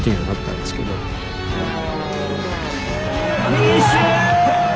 フィニッシュー！